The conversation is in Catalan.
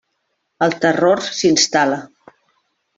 El terror s'instal·la.